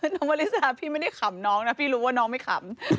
น้องวริชาพี่ไม่ได้ขำน้องนะพี่รู้ว่าน้องไม่ขำ